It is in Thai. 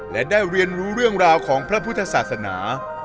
และได้เรียนรู้เรื่องราวของพระพุทธศาสนา